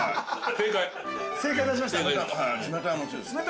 ◆正解、出しました。